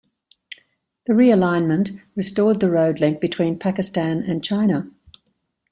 The realignment restored the road link between Pakistan and China.